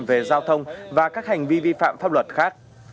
về giao thông và các hành vi vi phạm pháp luật khác